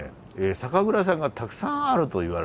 酒蔵さんがたくさんあるといわれているですね